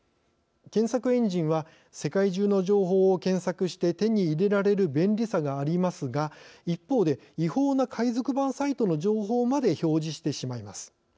検索エンジンは世界中の情報を検索して手に入れられる便利さがありますが、一方で違法な海賊版サイトの情報まで表示してしまいます。